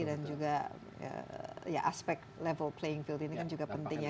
dan juga ya aspek level playing field ini kan juga penting ya